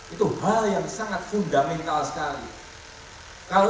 itu hal yang sangat fundamental sekali